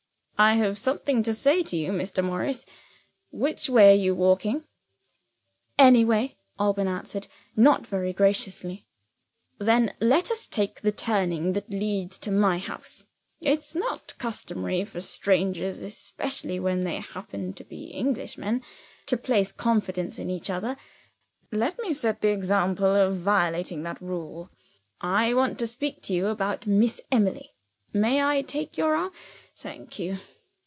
"I have something to say to you, Mr. Morris. Which way are you walking?" "Any way," Alban answered not very graciously. "Then let us take the turning that leads to my house. It's not customary for strangers, especially when they happen to be Englishmen, to place confidence in each other. Let me set the example of violating that rule. I want to speak to you about Miss Emily. May I take your arm? Thank you.